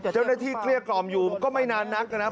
เจ้าหน้าที่เกลี้ยกล่อมอยู่ก็ไม่นานนักนะครับ